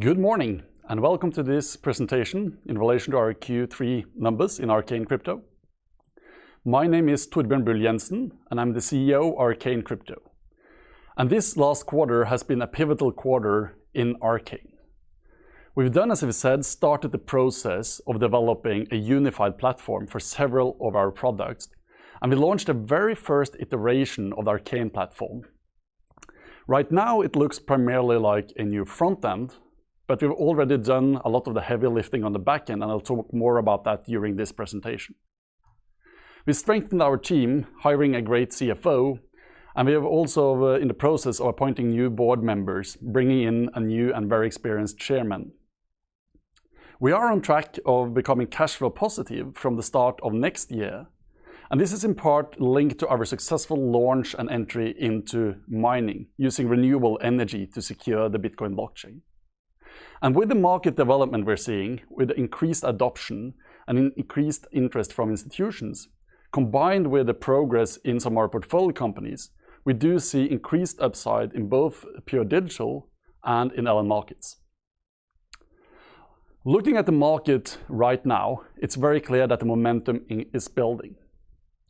Good morning, and welcome to this presentation in relation to our Q3 numbers in Arcane Crypto. My name is Torbjørn Bull Jenssen, and I'm the CEO of Arcane Crypto. This last quarter has been a pivotal quarter in Arcane. We've done, as I've said, started the process of developing a unified platform for several of our products, and we launched the very first iteration of the Arcane platform. Right now, it looks primarily like a new front end, but we've already done a lot of the heavy lifting on the back end, and I'll talk more about that during this presentation. We strengthened our team, hiring a great CFO, and we are also in the process of appointing new board members, bringing in a new and very experienced Chairman. We are on track of becoming cash flow positive from the start of next year, and this is in part linked to our successful launch and entry into mining, using renewable energy to secure the Bitcoin blockchain. With the market development we're seeing, with increased adoption and increased interest from institutions, combined with the progress in some of our portfolio companies, we do see increased upside in both Pure Digital and in LN Markets. Looking at the market right now, it's very clear that the momentum is building.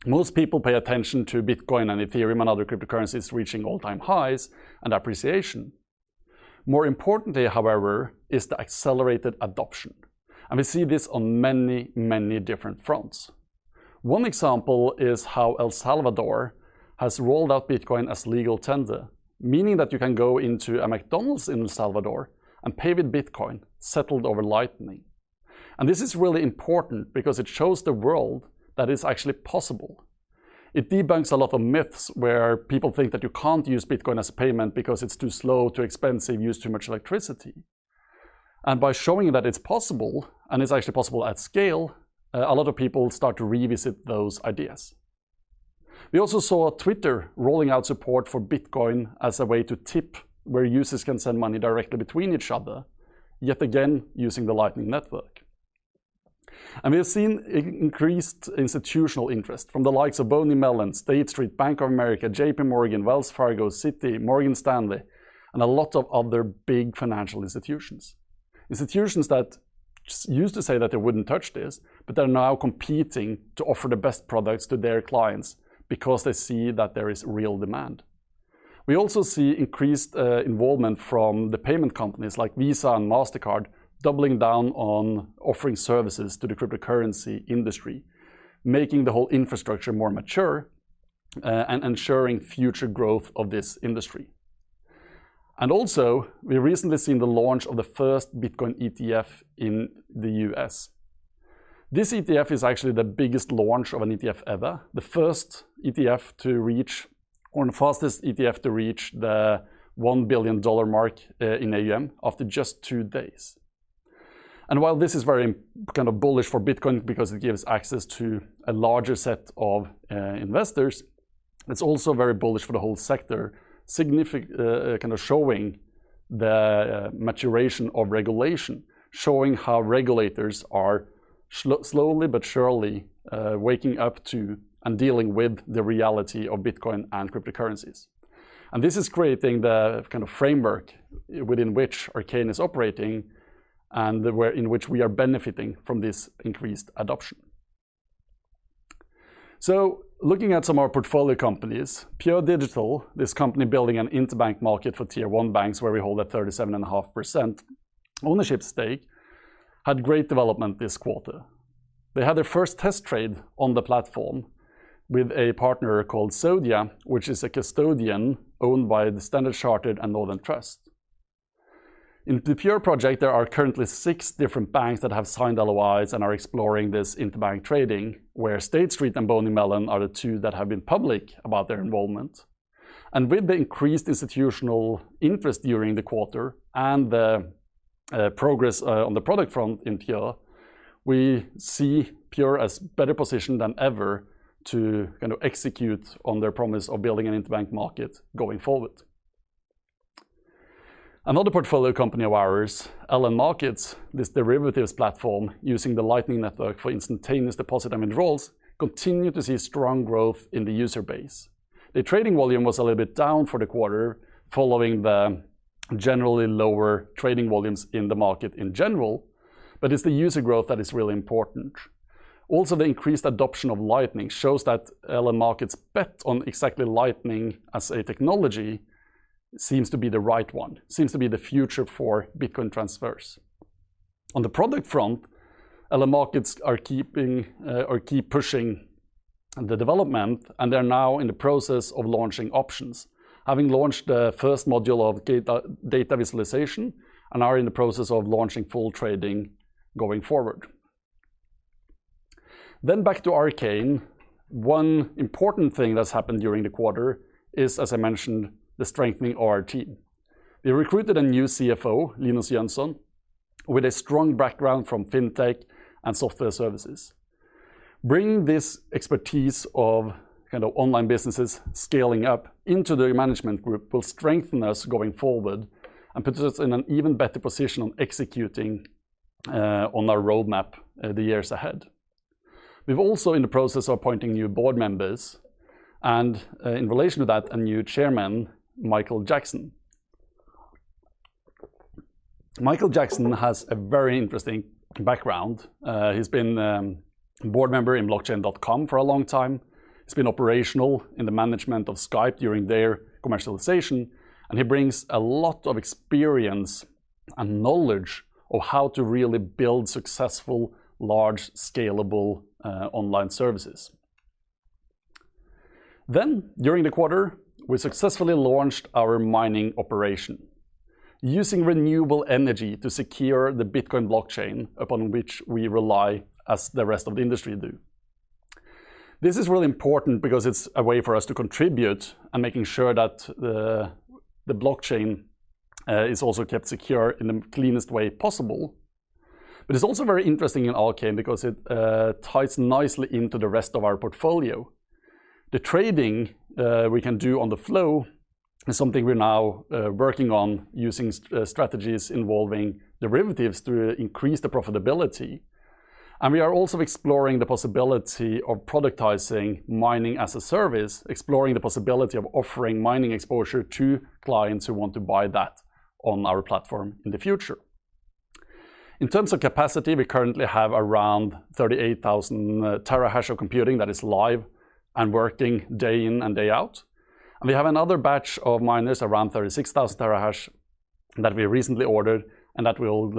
Most people pay attention to Bitcoin and Ethereum and other cryptocurrencies reaching all-time highs and appreciation. More importantly, however, is the accelerated adoption, and we see this on many, many different fronts. One example is how El Salvador has rolled out Bitcoin as legal tender, meaning that you can go into a McDonald's in El Salvador and pay with Bitcoin, settled over Lightning. This is really important because it shows the world that it's actually possible. It debunks a lot of myths where people think that you can't use Bitcoin as a payment because it's too slow, too expensive, uses too much electricity. By showing that it's possible, and it's actually possible at scale, a lot of people start to revisit those ideas. We also saw Twitter rolling out support for Bitcoin as a way to tip where users can send money directly between each other, yet again using the Lightning Network. We have seen increased institutional interest from the likes of BNY Mellon, State Street, Bank of America, JPMorgan, Wells Fargo, Citi, Morgan Stanley, and a lot of other big financial institutions. Institutions that used to say that they wouldn't touch this, but they're now competing to offer the best products to their clients because they see that there is real demand. We also see increased involvement from the payment companies like Visa and Mastercard doubling down on offering services to the cryptocurrency industry, making the whole infrastructure more mature, and ensuring future growth of this industry. We recently seen the launch of the first Bitcoin ETF in the U.S. This ETF is actually the biggest launch of an ETF ever, the fastest ETF to reach the $1 billion mark in AUM after just two days. While this is very kind of bullish for Bitcoin because it gives access to a larger set of investors, it's also very bullish for the whole sector, kind of showing the maturation of regulation, showing how regulators are slowly but surely waking up to and dealing with the reality of Bitcoin and cryptocurrencies. This is creating the kind of framework within which Arcane is operating and in which we are benefiting from this increased adoption. Looking at some of our portfolio companies, Pure Digital, this company building an interbank market for tier one banks where we hold a 37.5% ownership stake, had great development this quarter. They had their first test trade on the platform with a partner called Zodia, which is a custodian owned by Standard Chartered and Northern Trust. In the Pure project, there are currently six different banks that have signed LOIs and are exploring this interbank trading, where State Street and BNY Mellon are the two that have been public about their involvement. With the increased institutional interest during the quarter and the progress on the product front in Pure, we see Pure as better positioned than ever to kind of execute on their promise of building an interbank market going forward. Another portfolio company of ours, LN Markets, this derivatives platform using the Lightning Network for instantaneous deposit and withdrawals, continue to see strong growth in the user base. The trading volume was a little bit down for the quarter following the generally lower trading volumes in the market in general, but it's the user growth that is really important. The increased adoption of Lightning shows that LN Markets bet on exactly Lightning as a technology seems to be the right one, seems to be the future for Bitcoin transfers. On the product front, LN Markets are keeping, or keep pushing the development, and they're now in the process of launching options, having launched the first module of data visualization and are in the process of launching full trading going forward. Back to Arcane, one important thing that's happened during the quarter is, as I mentioned, the strengthening of our team. We recruited a new CFO, Linus Jönsson, with a strong background from fintech and software services. Bringing this expertise of kind of online businesses scaling up into the management group will strengthen us going forward and put us in an even better position on executing, on our roadmap, the years ahead. We're also in the process of appointing new board members, and in relation to that, a new Chairman, Michael Jackson. Michael Jackson has a very interesting background. He's been board member in Blockchain.com for a long time. He's been operational in the management of Skype during their commercialization, and he brings a lot of experience and knowledge of how to really build successful, large, scalable, online services. During the quarter, we successfully launched our mining operation using renewable energy to secure the Bitcoin blockchain upon which we rely as the rest of the industry do. This is really important because it's a way for us to contribute and making sure that the blockchain is also kept secure in the cleanest way possible. It's also very interesting in Arcane because it ties nicely into the rest of our portfolio. The trading we can do on the flow is something we're now working on using strategies involving derivatives to increase the profitability, and we are also exploring the possibility of productizing mining as a service, exploring the possibility of offering mining exposure to clients who want to buy that on our platform in the future. In terms of capacity, we currently have around 38,000 TH of computing that is live and working day in and day out, and we have another batch of miners, around 36,000 TH, that we recently ordered and that will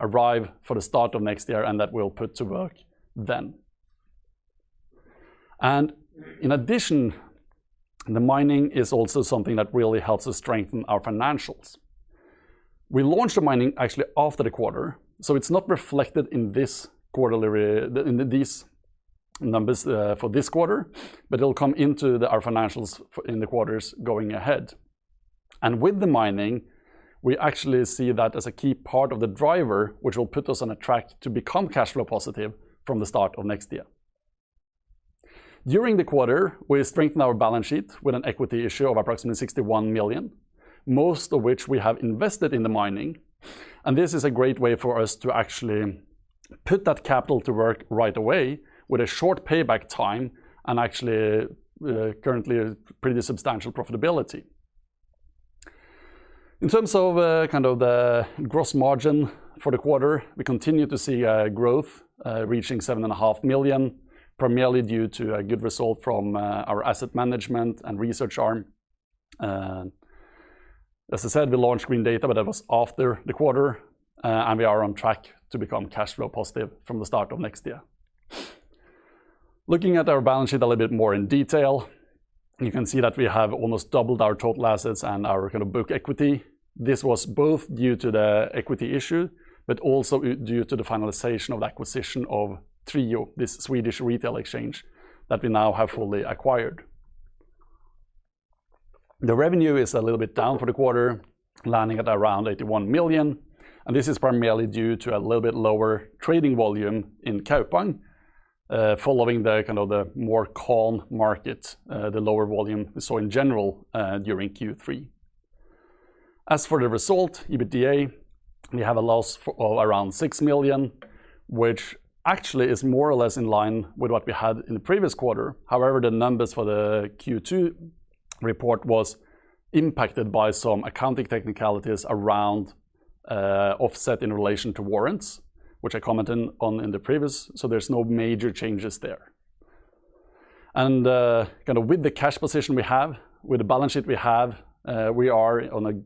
arrive for the start of next year and that we'll put to work then. In addition, the mining is also something that really helps us strengthen our financials. We launched the mining actually after the quarter, so it's not reflected in this quarterly, in these numbers for this quarter, but it'll come into our financials in the quarters going ahead. With the mining, we actually see that as a key part of the driver, which will put us on a track to become cash flow positive from the start of next year. During the quarter, we strengthened our balance sheet with an equity issue of approximately 61 million, most of which we have invested in the mining, and this is a great way for us to actually put that capital to work right away with a short payback time and actually, currently a pretty substantial profitability. In terms of, kind of the gross margin for the quarter, we continue to see growth, reaching 7.5 million, primarily due to a good result from, our asset management and research arm. As I said, we launched Green Data, but that was after the quarter, and we are on track to become cash flow positive from the start of next year. Looking at our balance sheet a little bit more in detail, you can see that we have almost doubled our total assets and our kind of book equity. This was both due to the equity issue, but also due to the finalization of the acquisition of Trijo, this Swedish retail exchange that we now have fully acquired. The revenue is a little bit down for the quarter, landing at around 81 million, and this is primarily due to a little bit lower trading volume in Kaupang, following the, kind of the more calm market, the lower volume we saw in general, during Q3. As for the result, EBITDA, we have a loss of around 6 million, which actually is more or less in line with what we had in the previous quarter. However, the numbers for the Q2 report was impacted by some accounting technicalities around offset in relation to warrants, which I commented on in the previous. There's no major changes there. Kind of with the cash position we have, with the balance sheet we have, we are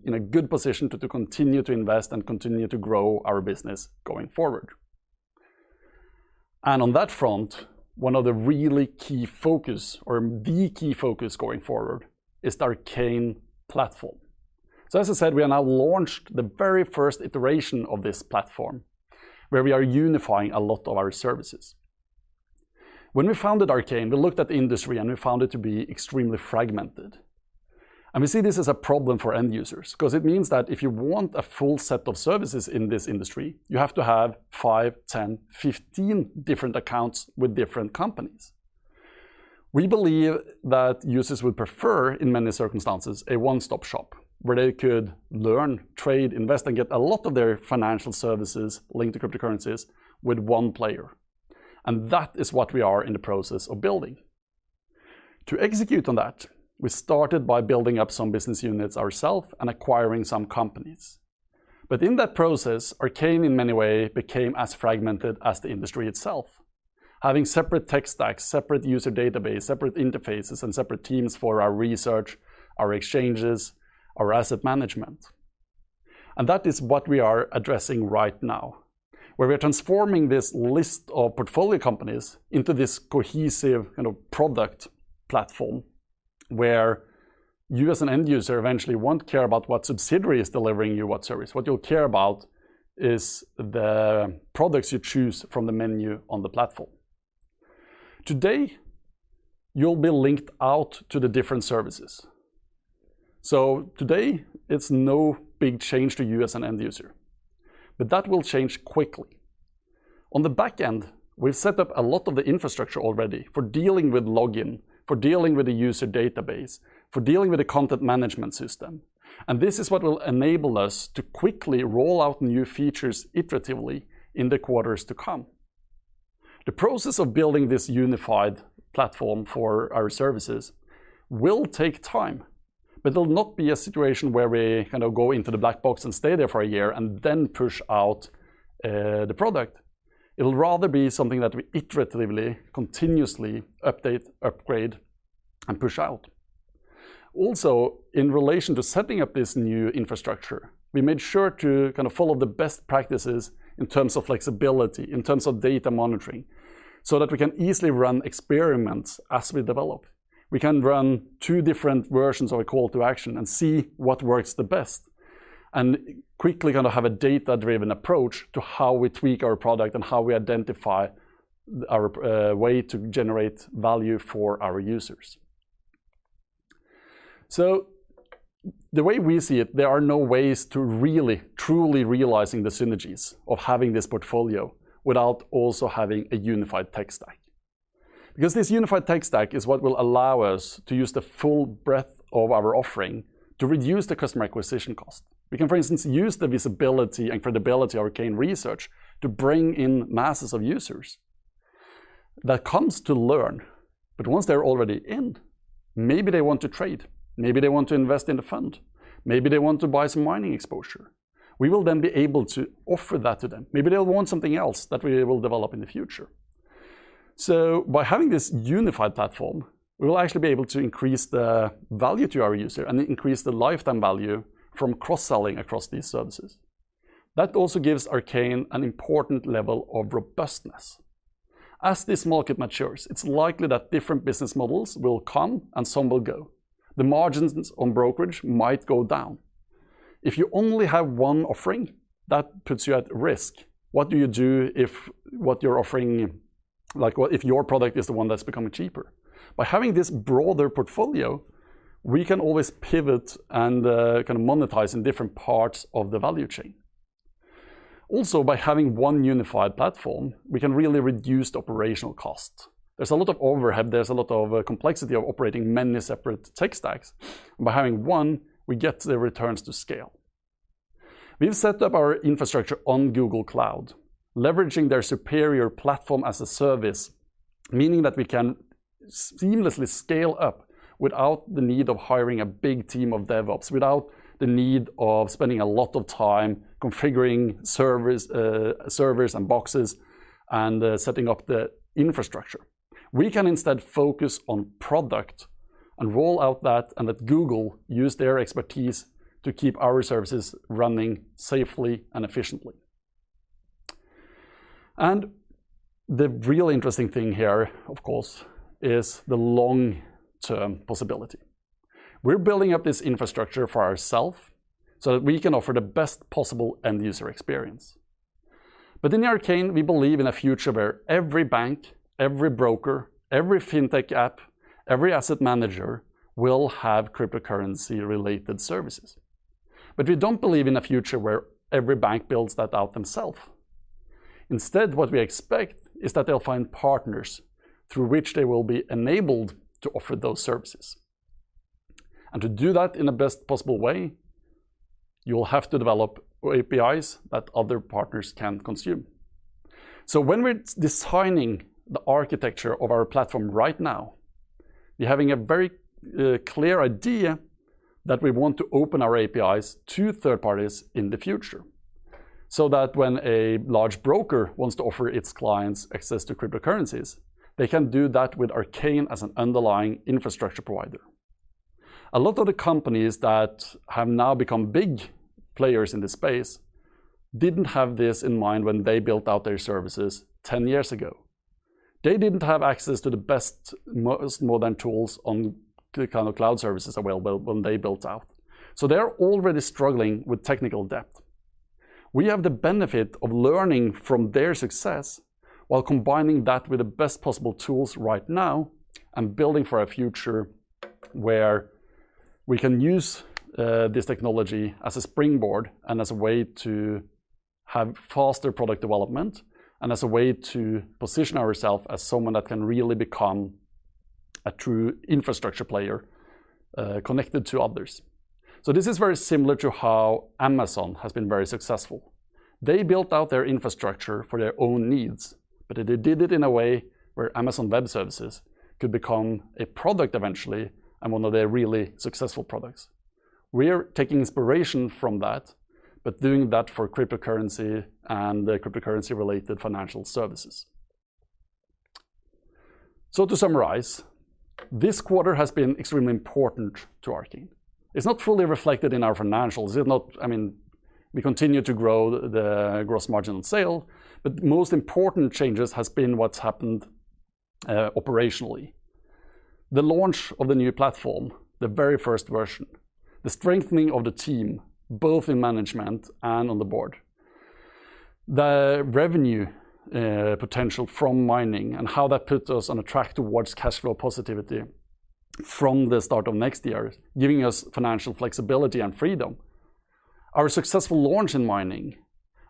in a good position to continue to invest and continue to grow our business going forward. On that front, one of the really key focus or the key focus going forward is the Arcane platform. As I said, we are now launched the very first iteration of this platform where we are unifying a lot of our services. When we founded Arcane, we looked at the industry, and we found it to be extremely fragmented. We see this as a problem for end users because it means that if you want a full set of services in this industry, you have to have five, 10, 15 different accounts with different companies. We believe that users would prefer, in many circumstances, a one-stop shop where they could learn, trade, invest, and get a lot of their financial services linked to cryptocurrencies with one player, and that is what we are in the process of building. To execute on that, we started by building up some business units ourselves and acquiring some companies. In that process, Arcane in many ways became as fragmented as the industry itself, having separate tech stacks, separate user databases, separate interfaces, and separate teams for our research, our exchanges, our asset management. That is what we are addressing right now, where we are transforming this list of portfolio companies into this cohesive kind of product platform where you as an end user eventually won't care about what subsidiary is delivering you what service. What you'll care about is the products you choose from the menu on the platform. Today, you'll be linked out to the different services. Today, it's no big change to you as an end user, but that will change quickly. On the back end, we've set up a lot of the infrastructure already for dealing with login, for dealing with the user database, for dealing with the content management system, and this is what will enable us to quickly roll out new features iteratively in the quarters to come. The process of building this unified platform for our services will take time, but it'll not be a situation where we kind of go into the black box and stay there for a year and then push out the product. It will rather be something that we iteratively, continuously update, upgrade, and push out. Also, in relation to setting up this new infrastructure, we made sure to kind of follow the best practices in terms of flexibility, in terms of data monitoring, so that we can easily run experiments as we develop. We can run two different versions of a call to action and see what works the best and quickly gonna have a data-driven approach to how we tweak our product and how we identify our way to generate value for our users. The way we see it, there are no ways to really truly realizing the synergies of having this portfolio without also having a unified tech stack. Because this unified tech stack is what will allow us to use the full breadth of our offering to reduce the customer acquisition cost. We can, for instance, use the visibility and credibility of Arcane Research to bring in masses of users that comes to learn. Once they're already in, maybe they want to trade, maybe they want to invest in the fund, maybe they want to buy some mining exposure. We will then be able to offer that to them. Maybe they'll want something else that we will develop in the future. By having this unified platform, we will actually be able to increase the value to our user and increase the lifetime value from cross-selling across these services. That also gives Arcane an important level of robustness. As this market matures, it's likely that different business models will come and some will go. The margins on brokerage might go down. If you only have one offering, that puts you at risk. What do you do if what you're offering, like, what if your product is the one that's becoming cheaper? By having this broader portfolio, we can always pivot and kind of monetize in different parts of the value chain. Also, by having one unified platform, we can really reduce the operational cost. There's a lot of overhead, there's a lot of complexity of operating many separate tech stacks, and by having one, we get the returns to scale. We've set up our infrastructure on Google Cloud, leveraging their superior platform as a service, meaning that we can seamlessly scale up without the need of hiring a big team of DevOps, without the need of spending a lot of time configuring servers and boxes, and setting up the infrastructure. We can instead focus on product and roll out that and let Google use their expertise to keep our services running safely and efficiently. The real interesting thing here, of course, is the long-term possibility. We're building up this infrastructure for ourselves so that we can offer the best possible end-user experience. In Arcane, we believe in a future where every bank, every broker, every fintech app, every asset manager will have cryptocurrency-related services. We don't believe in a future where every bank builds that out themselves. Instead, what we expect is that they'll find partners through which they will be enabled to offer those services. To do that in the best possible way, you will have to develop APIs that other partners can consume. When we're designing the architecture of our platform right now, we're having a very clear idea that we want to open our APIs to third parties in the future, so that when a large broker wants to offer its clients access to cryptocurrencies, they can do that with Arcane as an underlying infrastructure provider. A lot of the companies that have now become big players in this space didn't have this in mind when they built out their services 10 years ago. They didn't have access to the best, most modern tools on the kind of cloud services available when they built out. They're already struggling with technical debt. We have the benefit of learning from their success while combining that with the best possible tools right now and building for a future where we can use this technology as a springboard and as a way to have faster product development and as a way to position ourselves as someone that can really become a true infrastructure player connected to others. This is very similar to how Amazon has been very successful. They built out their infrastructure for their own needs, but they did it in a way where Amazon Web Services could become a product eventually and one of their really successful products. We're taking inspiration from that, but doing that for cryptocurrency and cryptocurrency-related financial services. To summarize, this quarter has been extremely important to Arcane. It's not fully reflected in our financials. I mean, we continue to grow the gross margin on sale, but the most important changes has been what's happened operationally. The launch of the new platform, the very first version, the strengthening of the team, both in management and on the Board, the revenue potential from mining and how that puts us on a track towards cash flow positivity from the start of next year, giving us financial flexibility and freedom, our successful launch in mining,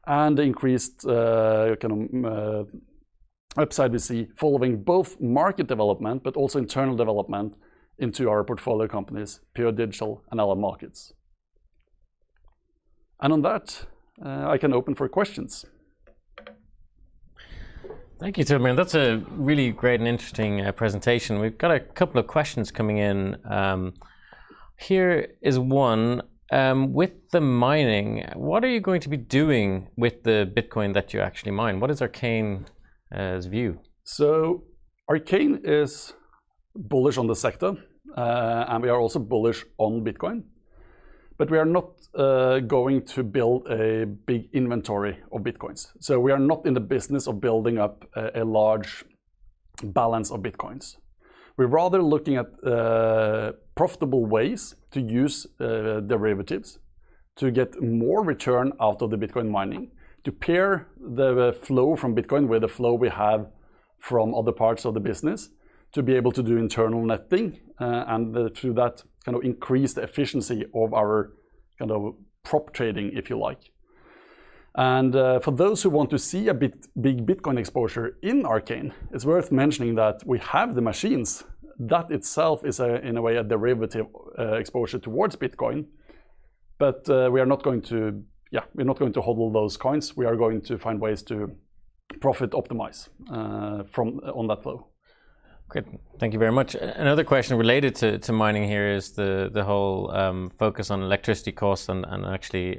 and increased kind of upside we see following both market development but also internal development into our portfolio companies, Pure Digital and LN Markets. On that, I can open for questions. Thank you, Torbjørn. That's a really great and interesting presentation. We've got a couple of questions coming in. Here is one. With the mining, what are you going to be doing with the Bitcoin that you actually mine? What is Arcane's view? Arcane is bullish on the sector. We are also bullish on Bitcoin, but we are not going to build a big inventory of Bitcoins. We are not in the business of building up a large balance of Bitcoins. We're rather looking at profitable ways to use derivatives to get more return out of the Bitcoin mining, to pair the flow from Bitcoin with the flow we have from other parts of the business to be able to do internal netting and through that kind of increase the efficiency of our kind of prop trading, if you like. For those who want to see a bit big Bitcoin exposure in Arcane, it's worth mentioning that we have the machines. That itself is, in a way, a derivative exposure toward Bitcoin, but we're not going to HODL those coins. We are going to find ways to profit optimize from on that flow. Great. Thank you very much. Another question related to mining here is the whole focus on electricity costs and actually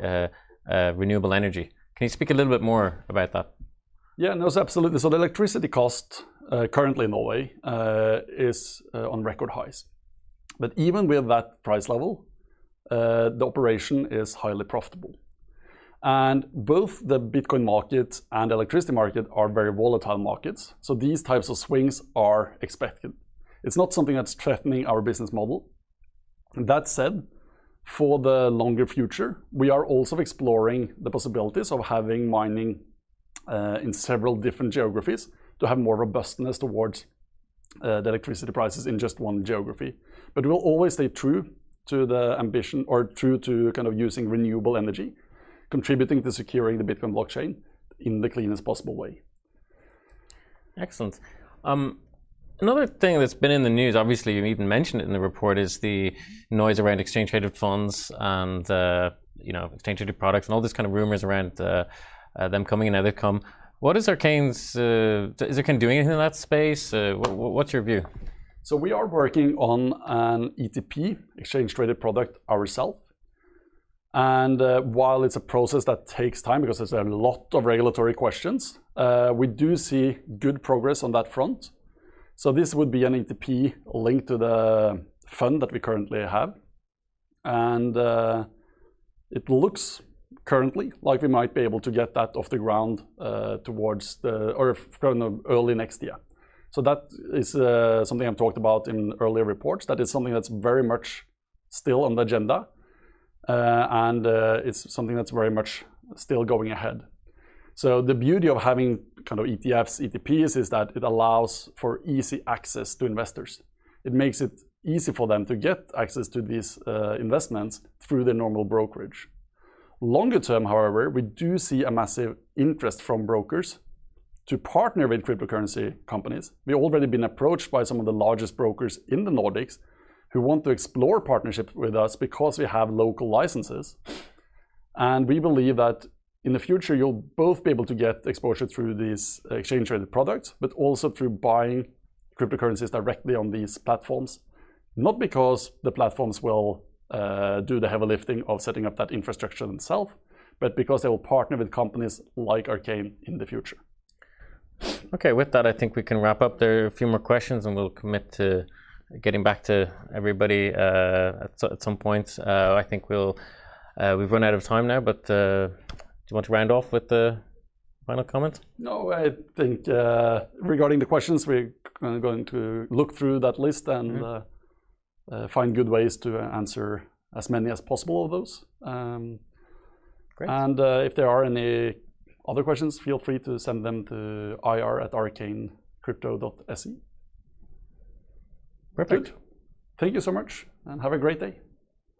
renewable energy. Can you speak a little bit more about that? Absolutely. The electricity cost currently in Norway is on record highs, but even with that price level, the operation is highly profitable. Both the Bitcoin market and electricity market are very volatile markets, so these types of swings are expected. It's not something that's threatening our business model. That said, for the longer future, we are also exploring the possibilities of having mining in several different geographies to have more robustness towards the electricity prices in just one geography. We will always stay true to the ambition or true to kind of using renewable energy, contributing to securing the Bitcoin blockchain in the cleanest possible way. Excellent. Another thing that's been in the news, obviously you even mentioned it in the report, is the noise around exchange-traded funds and, you know, exchange-traded products and all these kind of rumors around them coming and how they come. Is Arcane doing anything in that space? What's your view? We are working on an ETP, exchange-traded product, ourselves, and while it's a process that takes time because there's a lot of regulatory questions, we do see good progress on that front. This would be an ETP linked to the fund that we currently have, and it looks currently like we might be able to get that off the ground, towards the, or kind of early next year. That is something I've talked about in earlier reports. That is something that's very much still on the agenda, and it's something that's very much still going ahead. The beauty of having kind of ETFs, ETPs, is that it allows for easy access to investors. It makes it easy for them to get access to these investments through the normal brokerage. Longer term, however, we do see a massive interest from brokers to partner with cryptocurrency companies. We've already been approached by some of the largest brokers in the Nordics who want to explore partnership with us because we have local licenses, and we believe that in the future you'll both be able to get exposure through these exchange-traded products, but also through buying cryptocurrencies directly on these platforms, not because the platforms will do the heavy lifting of setting up that infrastructure themselves, but because they will partner with companies like Arcane in the future. Okay, with that, I think we can wrap up. There are a few more questions, and we'll commit to getting back to everybody at some point. I think we've run out of time now, but do you want to round off with a final comment? I think, regarding the questions, we're kind of going to look through that list, and find good ways to answer as many as possible of those. Great If there are any other questions, feel free to send them to ir@arcanecrypto.se. Perfect. Thank you. Thank you so much, and have a great day.